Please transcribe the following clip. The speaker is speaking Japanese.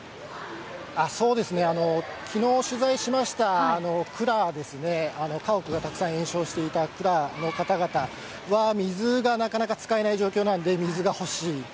きのう取材しました、クラですね、家屋がたくさん延焼していたクラの方々、水がなかなか使えない状況なんで、水が欲しい。